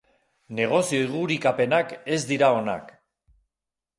Negozio igurikapenak ez dira onak.